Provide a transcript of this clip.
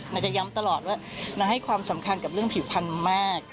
นางจะย้ำตลอดว่านางให้ความสำคัญกับเรื่องผิวพันธุ์มาก